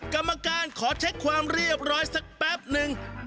กรรมการขอเช็คความเรียบร้อยสักแป๊บนึง